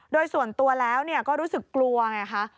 โดยส่วนตัวแล้วก็รู้สึกกลัวไงคะ